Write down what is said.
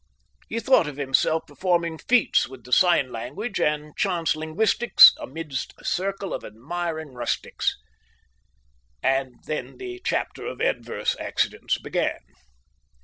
He thought of himself performing feats with the sign language and chance linguistics amidst a circle of admiring rustics.... And then the chapter of adverse accidents began.